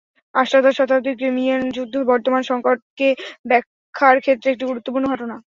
অষ্টাদশ শতাব্দীর ক্রিমিয়ান যুদ্ধ বর্তমান সংকটকে ব্যাখ্যার ক্ষেত্রে একটি গুরুত্বপূর্ণ ঘটনা।